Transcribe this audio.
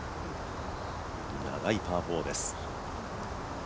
長いパー４です。